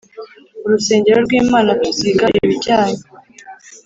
urusengero rwimana tuziga ibijyanye